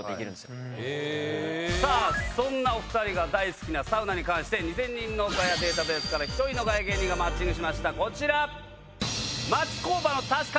そんなお２人が大好きなサウナに関して２０００人のガヤデータベースから１人のガヤ芸人がマッチングしました。